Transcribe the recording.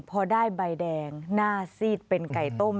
พอได้ใบแดงหน้าซีดเป็นไก่ต้ม